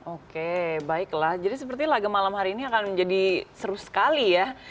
oke baiklah jadi seperti laga malam hari ini akan menjadi seru sekali ya